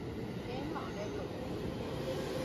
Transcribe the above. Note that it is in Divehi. އޭނާ އަނގައަކުން ނުބުނެ